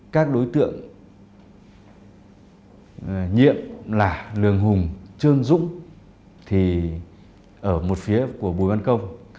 các đối tượng nhiệm là lường hùng trương dũng ở một phía của bùi văn công